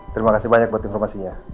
terima kasih banyak buat informasinya